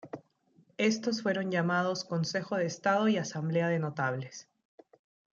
Estos fueron llamados "Consejo de Estado" y "Asamblea de Notables".